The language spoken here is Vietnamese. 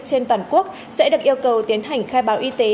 trên toàn quốc sẽ được yêu cầu tiến hành khai báo y tế